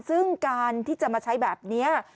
ซึ่งการที่จะมาใช้แบบนี้